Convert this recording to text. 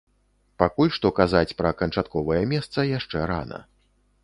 Пакуль што казаць пра канчатковае месца яшчэ рана.